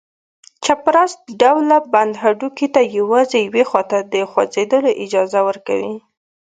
چپراست ډوله بند هډوکي ته یوازې یوې خواته د خوځېدلو اجازه ورکوي.